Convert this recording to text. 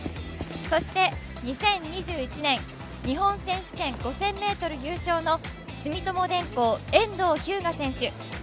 そして、２０２１年、日本選手権５０００ｍ優勝の住友電工・遠藤日向選手。